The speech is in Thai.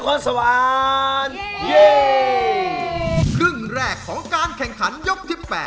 ครึ่งแรกของการแข่งขันยกที่๘